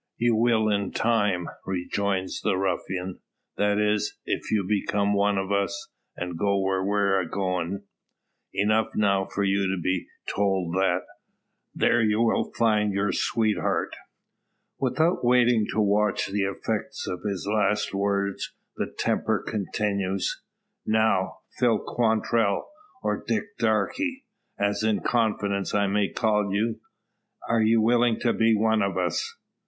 "You will in time," rejoins the ruffian; "that is, if you become one o' us, and go where we're a goin'. Enough now for you to be told that, there you will find your sweetheart!" Without waiting to watch the effect of his last words, the tempter continues "Now, Phil Quantrell, or Dick Darke, as in confidence I may call ye, are you willin' to be one o' us?"